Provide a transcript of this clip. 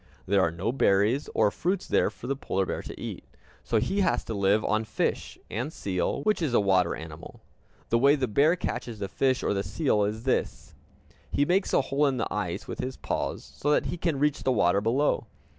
There are no berries or fruits there for the polar bear to eat; so he has to live on fish, and seal, which is a water animal. The way the bear catches the fish or the seal is this: He makes a hole in the ice with his paws, so that he can reach the water below.